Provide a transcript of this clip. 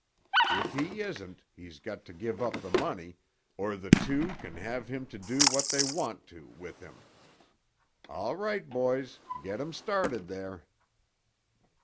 If he isn't, he's got to give up the money, or the two can have him to do what they want to with him. All right, boys; get 'em started there."